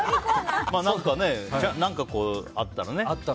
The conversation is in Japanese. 何かあったらね。